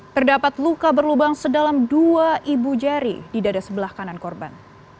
terdapat luka berlubang sedalam dua ibu jari di dada sebelah kanan korban